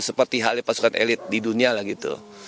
seperti halnya pasukan elit di dunia lah gitu